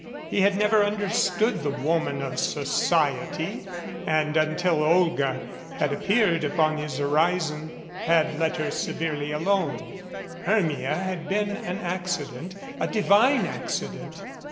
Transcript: He had never understood the woman of society and until Olga had appeared upon his horizon had let her severely alone. Hermia had been an accident a divine accident.